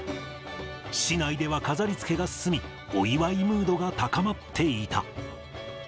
市内では飾りつけが進み、お祝いムードが高まっていた。